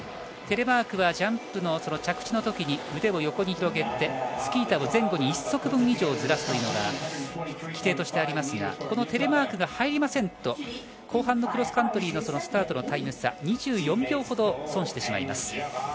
テレマークはジャンプの着地の時に腕を横に広げてスキー板を前後に１足分以上ずらすというのが規程としてありますがテレマークが入りませんと後半のクロスカントリーのスタートのタイム差２４秒ほど損してしまいます。